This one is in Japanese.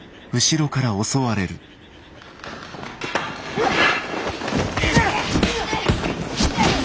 うっ！